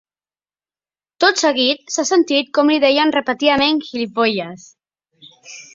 Tot seguit s’ha sentit com li deien repetidament: ‘gilipollas’.